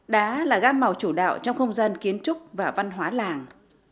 đá là gam màu chủ đạo trong không gian kiến trúc và văn hóa làng